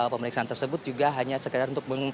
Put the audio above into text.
pemeriksaan tersebut juga hanya sekedar untuk